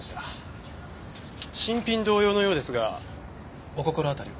新品同様のようですがお心当たりは？